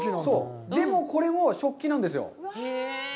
でも、これも食器なんですよ。